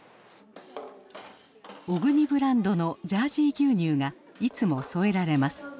小国ブランドのジャージー牛乳がいつも添えられます。